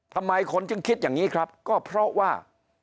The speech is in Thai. ทำไมคนจึงคิดอย่างนี้ครับก็เพราะว่า